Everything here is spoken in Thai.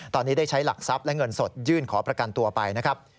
ตอนนี้ได้ใช้หลักทรัพย์และเงินสดยื่นขอประกันตัวไปนะครับ